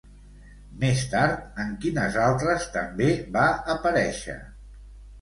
Més tard, en quines altres també va aparèixer?